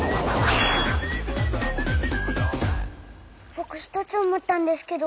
ぼく１つ思ったんですけど。